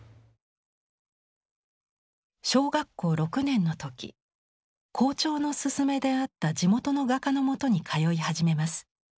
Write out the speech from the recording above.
小学校６年の時校長の勧めで会った地元の画家の元に通い始めます。